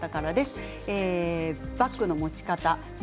バッグの持ち方についてです。